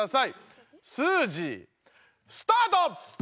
「スージー」スタート！